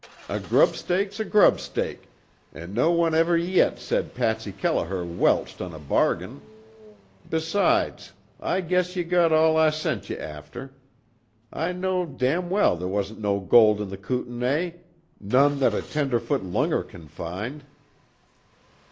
A grub stake's a grub stake, an' no one iver yit said Patsy Kelliher welched on a bargain. Besoides, Oi guess ye got all Oi sint ye afther. I know'd damn well they wasn't no gold in the Kootenay none that a tenderfoot lunger cud foind."